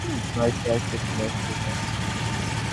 ভাসিয়া আসিয়াছি, ভাসিয়া যাইতাম।